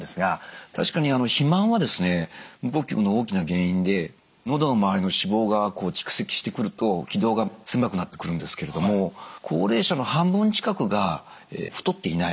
確かに肥満はですね無呼吸の大きな原因でのどの周りの脂肪が蓄積してくると気道が狭くなってくるんですけれども高齢者の半分近くが太っていない